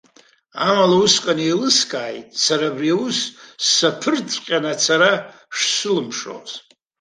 Амала, усҟан иеилыскааит сара абри аус саԥырҵыҵәҟьаны ацара шсылымшоз.